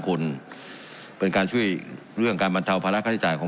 คนเป็นการช่วยเรื่องการบรรเทาภาระค่าใช้จ่ายของ